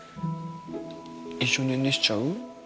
一緒にねんねしちゃう？